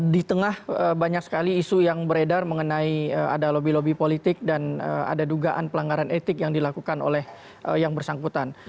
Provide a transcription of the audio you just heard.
di tengah banyak sekali isu yang beredar mengenai ada lobby lobby politik dan ada dugaan pelanggaran etik yang dilakukan oleh yang bersangkutan